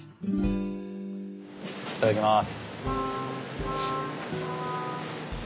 いただきます。